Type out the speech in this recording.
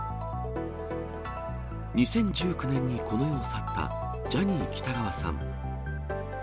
２０１９年にこの世を去ったジャニー喜多川さん。